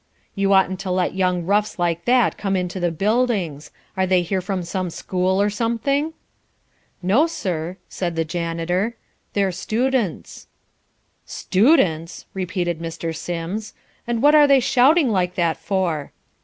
"You oughtn't to let young roughs like that come into the buildings. Are they here from some school or something?" "No sir," said the janitor. "They're students." "Students?" repeated Mr. Sims. "And what are they shouting like that for?"